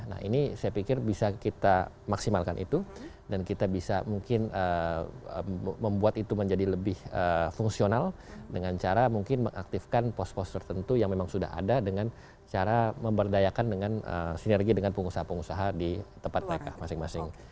nah ini saya pikir bisa kita maksimalkan itu dan kita bisa mungkin membuat itu menjadi lebih fungsional dengan cara mungkin mengaktifkan pos pos tertentu yang memang sudah ada dengan cara memberdayakan dengan sinergi dengan pengusaha pengusaha di tempat mereka masing masing